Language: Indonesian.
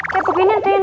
kayak beginian deh nang